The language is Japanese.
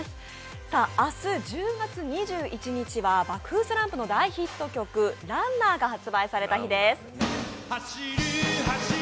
明日１０月２１日は爆風スランプの大ヒット曲「Ｒｕｎｎｅｒ」が発売された日です。